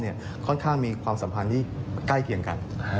อีกตัวนึงคะ